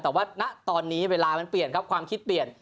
แต่ว่าณตอนนี้เวลามันเปลี่ยนครับความคิดเปลี่ยน